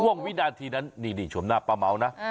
วินาทีนั้นนี่ชมหน้าป้าเมานะ